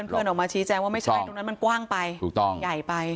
เพื่อนออกมาชี้แจงว่าไม่ใช่ตรงนั้นมันกว้างไปถูกต้องใหญ่ไป